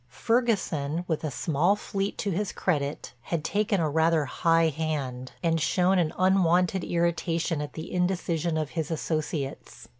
Ferguson, with a small fleet to his credit, had taken rather a high hand, and shown an unwonted irritation at the indecision of his associates.